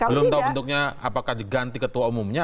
belum tahu bentuknya apakah diganti ketua umumnya